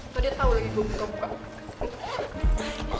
tadi tau lagi gue buka buka